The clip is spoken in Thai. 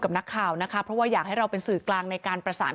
นักข่าวนะคะเพราะว่าอยากให้เราเป็นสื่อกลางในการประสาน